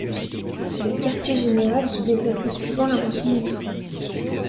Le Quartier Général se déplaçait suivant l'avancement du front.